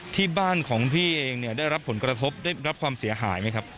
ที่บ้านของพี่เองเนี่ยได้รับผลกระทบได้รับความเสียหายไหมครับ